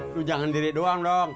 itu jangan diri doang dong